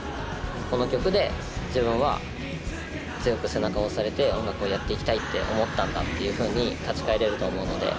この曲で自分は強く背中を押されて音楽をやっていきたいって思ったんだっていうふうに立ち返れると思うので。